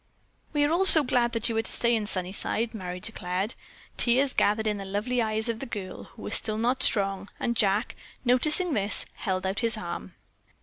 "We are all so glad that you are to stay in Sunnyside," Merry declared. Tears gathered in the lovely eyes of the girl, who was still not strong, and Jack, noticing this, held out his arm.